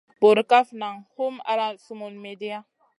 Burkaf nang hum ala sumun midia.